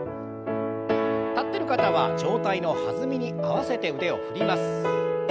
立ってる方は上体の弾みに合わせて腕を振ります。